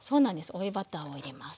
追いバターを入れます。